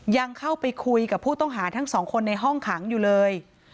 ยังเข้าไปคุยกับผู้ต้องหาทั้งสองคนในห้องขังอยู่เลย